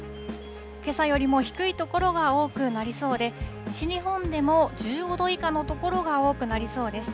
けさよりも低い所が多くなりそうで、西日本でも１５度以下の所が多くなりそうです。